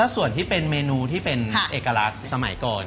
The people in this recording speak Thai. ส่วนที่เป็นเมนูที่เป็นเอกลักษณ์สมัยก่อน